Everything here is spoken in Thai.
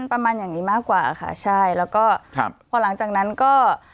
ประมาณอย่างนี้มากกว่าค่ะใช่แล้วก็ครับพอหลังจากนั้นก็